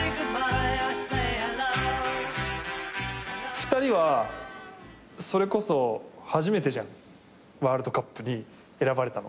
２人はそれこそ初めてじゃんワールドカップに選ばれたの。